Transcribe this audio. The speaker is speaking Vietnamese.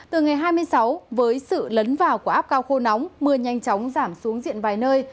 từ ngày hai mươi sáu với sự lấn vào của áp cao khô nóng mưa nhanh chóng giảm xuống diện vài nơi